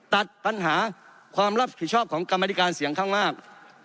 ตัดปัญหาความรับผิดชอบของกรรมธิการเสียงข้างมาก